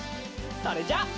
それじゃあ。